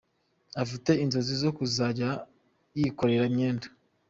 Afite inzozi zo kuzajya yikorera imyenda.